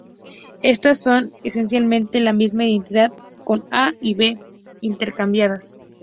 Estas son, esencialmente, la misma identidad con "a" y "b" intercambiadas.